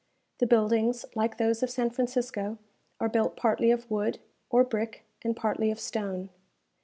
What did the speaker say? The buildings, like those of San Francisco, are built partly of wood, or brick, and partly of stone.